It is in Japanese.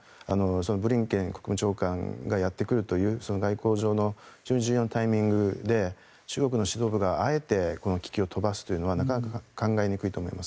ブリンケン国務長官がやってくるという外交上の非常に重要なタイミングで中国の指導部があえてこの気球を飛ばすというのはなかなか考えにくいと思います。